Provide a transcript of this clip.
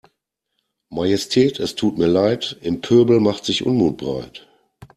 Majestät es tut mir Leid, im Pöbel macht sich Unmut breit.